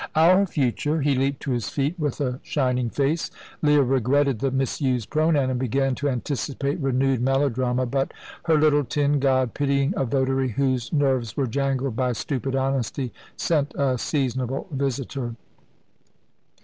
"Our future!" He leaped to his feet with a shining face. Leah regretted the misused pronoun, and began to anticipate renewed melodrama. But her little tin god, pitying a votary whose nerves were jangled by stupid honesty, sent a seasonable visitor.